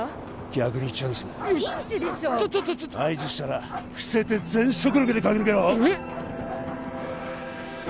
逆にチャンスだピンチでしょ合図したら伏せて全速力で駆け抜けろえっ？